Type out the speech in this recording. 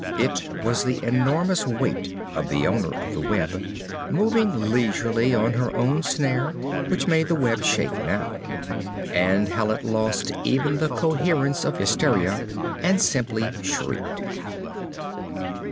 It was the enormous weight of the owner of the web, moving leisurely on her own snare, which made the web shake now. And Hallet lost even the coherence of hysteria and simply shrieked.